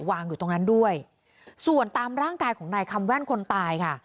วางอยู่ตรงนั้นด้วยส่วนตามร่างกายของนายคำแว่นคนตายค่ะ